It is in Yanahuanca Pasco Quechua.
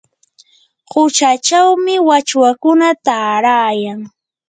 quchachawmi wachwakuna taarayan.